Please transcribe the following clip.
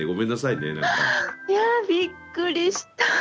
いやあびっくりした。